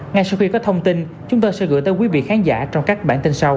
ngay sau khi có thông tin chúng tôi sẽ gửi tới quý vị khán giả trong các bản tin sau